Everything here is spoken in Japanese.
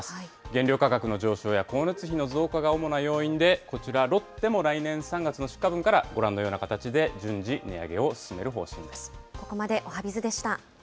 原料価格の高騰や光熱費の増加が主な要因で、こちら、ロッテも来年３月の出荷分から、ご覧のような形で順次、値上げを進める方針です。